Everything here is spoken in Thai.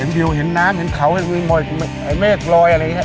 เห็นวิวเห็นน้ำเห็นเขาเห็นเมฆรอยอะไรอย่างนี้ครับ